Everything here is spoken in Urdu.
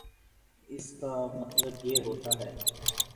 اس کا مطلب یہ ہوتا ہے